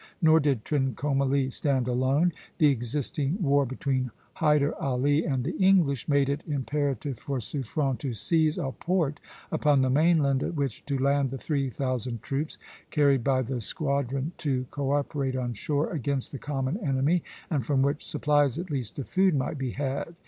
Nor did Trincomalee stand alone; the existing war between Hyder Ali and the English made it imperative for Suffren to seize a port upon the mainland, at which to land the three thousand troops carried by the squadron to co operate on shore against the common enemy, and from which supplies, at least of food, might be had.